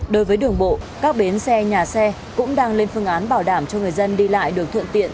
đối với đường bộ các bến xe nhà xe cũng đang lên phương án bảo đảm cho người dân đi lại được thuận tiện